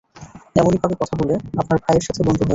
এমনি ভাবে কথা বলে, আপনার ভাইয়ের সাথে বন্ধু হয়ে যায়।